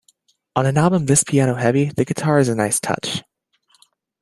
On an album this piano-heavy, the guitar is a nice touch.